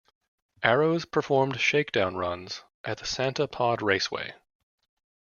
Arrows performed shakedown runs at the Santa Pod Raceway.